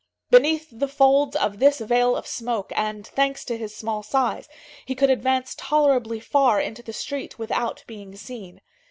Beneath the folds of this veil of smoke, and thanks to his small size, he could advance tolerably far into the street without being seen.